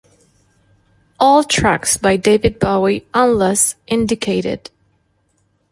All tracks by David Bowie unless indicated.